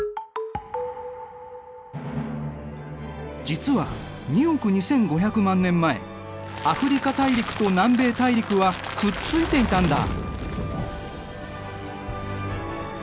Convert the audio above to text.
実は２億２５００万年前アフリカ大陸と南米大陸はくっついていたんだ。